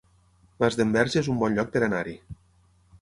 Masdenverge es un bon lloc per anar-hi